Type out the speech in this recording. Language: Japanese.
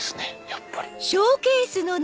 やっぱり。